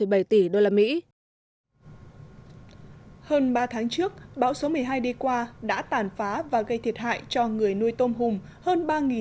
hơn ba tháng trước bão số một mươi hai đi qua đã tàn phá và gây thiệt hại cho người nuôi tôm hùm hơn